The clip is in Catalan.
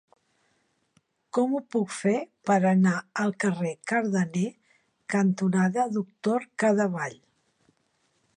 Com ho puc fer per anar al carrer Cardener cantonada Doctor Cadevall?